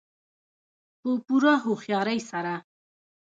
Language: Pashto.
په پوره هوښیارۍ سره.